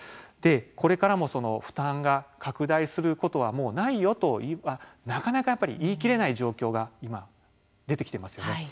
これからも負担が拡大することはないよとはなかなか言い切れない状況が今、出てきていますよね。